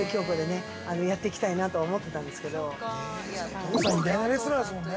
◆お父さん偉大なレスラーですもんね。